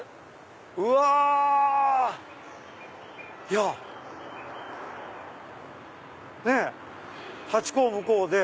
うわ！ねぇハチ公向こうで。